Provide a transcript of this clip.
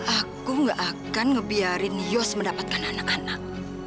aku gak akan ngebiarin yos mendapatkan anak anak